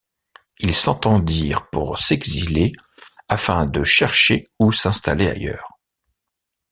Ils s’entendirent pour s’exiler afin de chercher où s’installer ailleurs.